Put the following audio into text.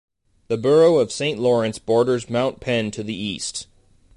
The borough of Saint Lawrence borders Mount Penn to the east.